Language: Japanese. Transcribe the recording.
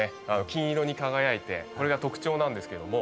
金色に輝いてこれが特徴なんですけども。